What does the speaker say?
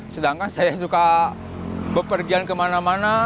sedangkan saya suka bepergian kemana mana